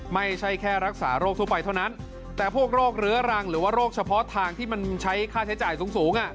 ไม่ใช่แค่รักษาโรคทั่วไปเท่านั้นแต่พวกโรคเรื้อรังหรือว่าโรคเฉพาะทางที่มันใช้ค่าใช้จ่ายสูงสูง